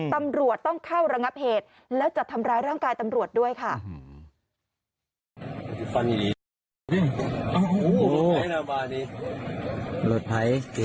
ตำรวจต้องเข้าระงับเหตุแล้วจะทำร้ายร่างกายตำรวจด้วยค่ะ